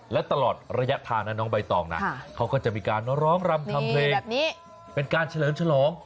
และตลอดระยะทางนะน้องใบตองนะเขาก็จะมีการร้องรำทำเพลงเป็นการเฉลิมฉลอง